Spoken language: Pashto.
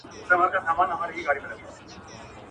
دی د سیند وچېدو ته انتظار کوي.